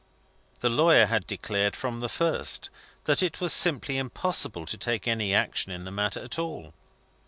The lawyer had declared, from the first, that it was simply impossible to take any useful action in the matter at all.